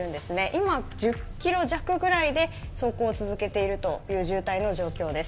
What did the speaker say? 今、１０キロ弱ぐらいで走行を続けているという状況です。